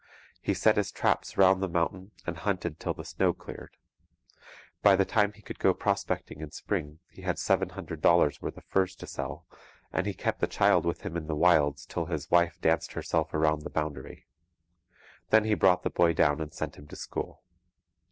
He set his traps round the mountains and hunted till the snow cleared. By the time he could go prospecting in spring he had seven hundred dollars' worth of furs to sell; and he kept the child with him in the wilds till his wife danced herself across the boundary. Then he brought the boy down and sent him to school.